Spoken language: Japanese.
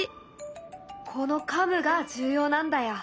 このカムが重要なんだよ。